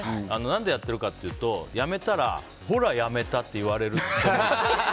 何でやってるかというとやめたら、ほらやめたって言われるのが。